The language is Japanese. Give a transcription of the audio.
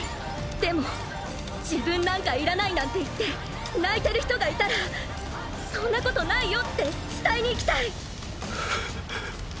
でも自分なんかいらないなんて言って泣いてる人がいたらそんなことないよって伝えに行きたい。